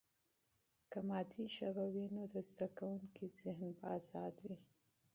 که مادي ژبه وي، نو د زده کوونکي ذهن به آزاد وي.